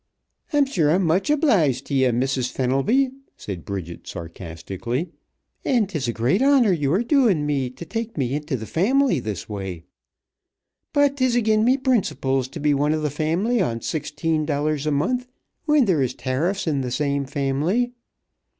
"I'm sure I'm much obliged t' ye, Missus Fenelby," said Bridget, sarcastically, "an' 'tis a great honor ye are doin' me t' take me into th' family this way, but 'tis agin me principles t' be one of th' family on sixteen dollars a month when there is tariffs in th' same family.